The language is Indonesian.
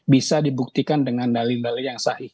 bisa dibuktikan dengan dalin dalin yang sah